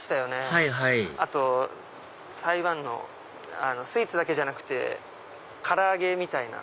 はいはい台湾のスイーツだけじゃなくて唐揚げみたいな。